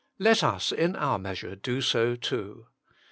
Let us in our measure do so too.